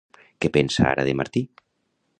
Què pensa ara de Martí?